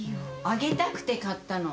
「あげたくて買ったの」